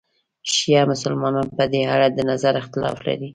شیعه مسلمانان په دې اړه د نظر اختلاف لري.